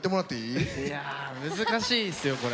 いや難しいですよこれ。